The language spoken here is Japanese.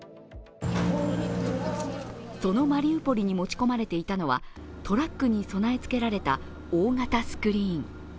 そのマリウポリに持ち込まれていたのは、トラックに備えつけられた大型スクリーン。